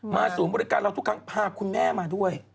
ศูนย์บริการเราทุกครั้งพาคุณแม่มาด้วย